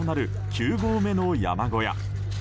９合目の山小屋。